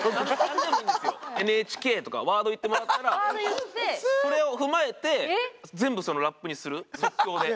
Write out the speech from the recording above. ＮＨＫとかワードを言ってもらったらそれを踏まえて全部ラップにする即興で。